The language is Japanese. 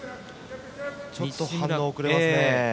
ちょっと反応が遅れますね。